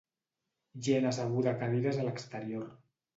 Gent asseguda a cadires a l'exterior